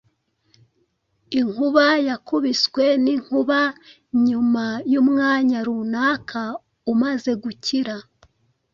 inkuba yakubiswe n'inkuba, nyuma yumwanya runaka umaze gukira,